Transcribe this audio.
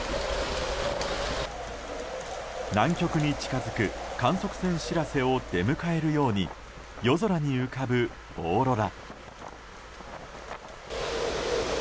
南極に近づく観測船「しらせ」を出迎えるように夜空に浮かぶオーロラ。